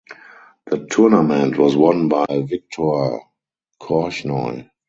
The tournament was won by Viktor Korchnoi.